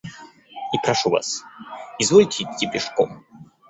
И прошу вас — извольте идти пешком.